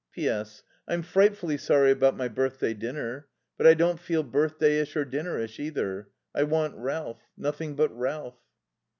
"P.S. I'm frightfully sorry about my birthday dinner. But I don't feel birthdayish or dinnerish, either. I want Ralph. Nothing but Ralph."